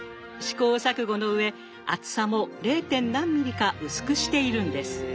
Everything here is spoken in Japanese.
試行錯誤のうえ厚さも０．何ミリか薄くしているんです。